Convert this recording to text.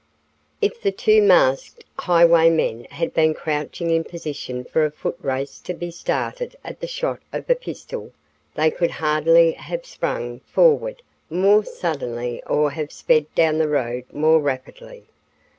If the two masked highwaymen had been crouching in position for a footrace to be started at the shot of a pistol, they could hardly have sprung forward more suddenly or have sped down the road more rapidly.